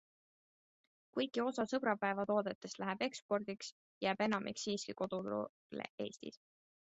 Kuigi osa sõbrapäevatoodetest läheb ekspordiks, jääb enamik siiski koduturule Eestis.